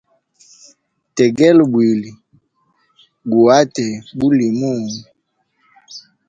Tegela bwili guhate bulimuhu.